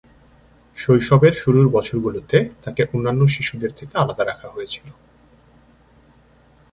শৈশবের শুরুর বছরগুলোতে তাকে অন্যান্য শিশুদের থেকে আলাদা রাখা হয়েছিল।